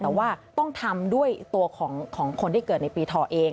แต่ว่าต้องทำด้วยตัวของคนที่เกิดในปีทอเอง